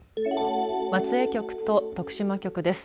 松江局と徳島局です。